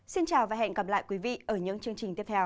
xin chào và hẹn gặp lại quý vị ở những chương trình tiếp theo